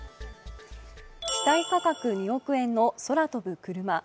機体価格２億円の空飛ぶクルマ。